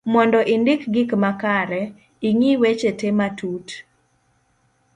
mondo indik gik makare,i ng'i weche te matut